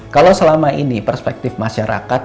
kalau selama ini perspektif masyarakat